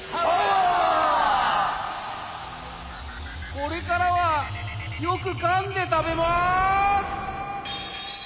これからはよくかんでたべます。